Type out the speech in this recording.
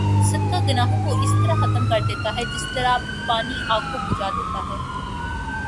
صدقہ گناہوں کو اس طرح ختم کر دیتا ہے جس طرح پانی آگ کو بھجا دیتا ہے